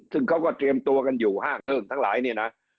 ซึ่งเขาก็เตรียมตัวกันอยู่ห้างเครื่องทั้งหลายเนี่ยนะ